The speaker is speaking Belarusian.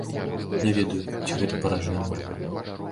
Не ведаю, ці гэта паражэнне.